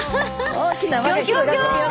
大きな輪が広がっていくような。